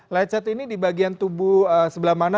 lecet ini di bagian tubuh sebelah mana